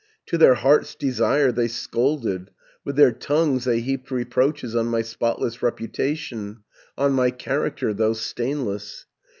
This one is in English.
"To their hearts' desire they scolded, With their tongues they heaped reproaches On my spotless reputation, On my character, though stainless.